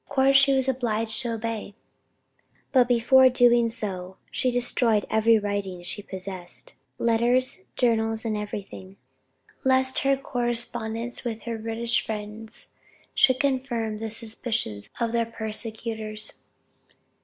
Of course she was obliged to obey, but before doing so she destroyed every writing she possessed, letters, journals, everything, lest her correspondence with her British friends should confirm the suspicions of their persecutors.